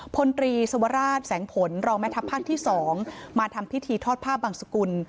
พลตรีสวราชแสงผลรองแม่ทัพภาคที่๒มาทำพิธีทอดผ้าบังสกุล